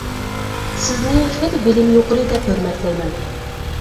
سىزنى خىلى بىلىمى يۇقىرى دەپ ھۆرمەتلەيمەن.